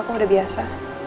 kamu udah biasa